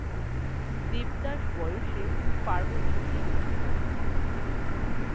দেবদাস বয়সে পার্বতীর চেয়ে কিছু বড়ো।